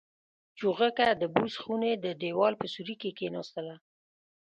چوغکه د بوس خونې د دېوال په سوري کې کېناستله.